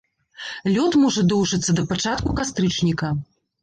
Лёт можа доўжыцца да пачатку кастрычніка.